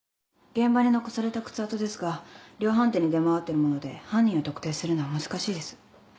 現場に残された靴跡ですが量販店に出回ってるもので犯人を特定するのは難しいです。